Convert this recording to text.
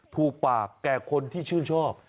ถูกปากแก่คนที่ชื่นชอบ